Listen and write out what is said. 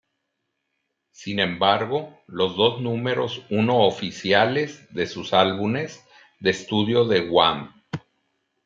Sin embargo, los dos números uno oficiales de sus álbumes de estudio de Wham!